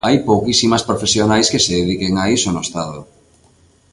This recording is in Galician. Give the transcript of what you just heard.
Hai pouquísimas profesionais que se dediquen a iso no estado.